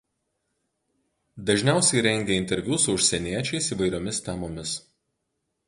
Dažniausiai rengė interviu su užsieniečiais įvairiomis temomis.